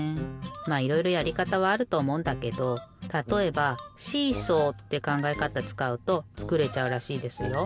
まあいろいろやりかたはあるとおもうんだけどたとえばシーソーってかんがえ方つかうとつくれちゃうらしいですよ。